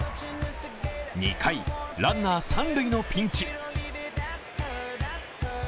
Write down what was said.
２回、ランナー三塁のピンチ。